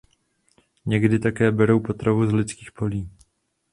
Někdy také berou potravu z lidských polí.